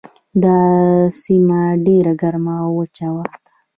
دا سیمه ډیره ګرمه او وچه ده.